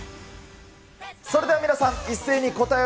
それでは皆さん、一斉に答え